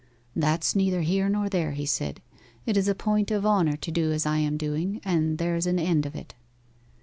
'That's neither here nor there,' he said; 'it is a point of honour to do as I am doing, and there's an end of it.